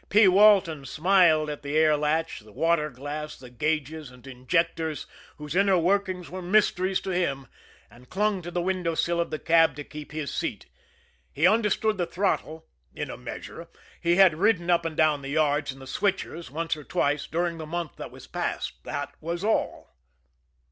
P. Walton smiled at the air latch, the water glass, the gauges and injectors, whose inner workings were mysteries to him and clung to the window sill of the cab to keep his seat. He understood the throttle in a measure he had ridden up and down the yards in the switchers once or twice during the month that was past that was all.